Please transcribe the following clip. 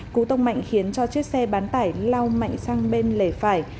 cú tông mạnh khiến cho chiếc xe bán tải lao mạnh sang bên lề phải